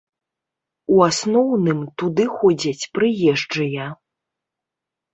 У асноўным туды ходзяць прыезджыя.